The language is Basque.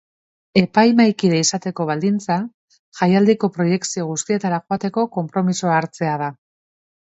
Epaimahaikide izateko baldintza jaialdiko proiekzio guztietara joateko konpromisoa hartzea da.